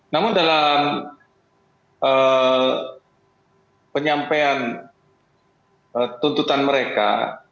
namun dalam penyampaian tuntutan mereka